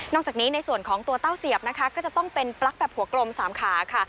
จากนี้ในส่วนของตัวเต้าเสียบนะคะก็จะต้องเป็นปลั๊กแบบหัวกลม๓ขาค่ะ